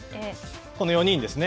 この４人ですね。